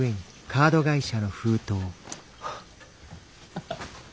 ハハッ！